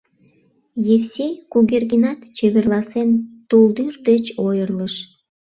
Евсей Кугергинат, чеверласен, тулдӱр деч ойырлыш.